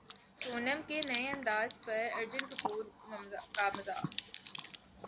سونم کے نئے انداز پر ارجن کپور کا مذاق